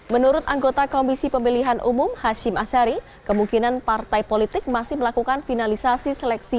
menurut anggota komisi pemilihan umum hashim ashari kemungkinan partai politik masih melakukan finalisasi seleksi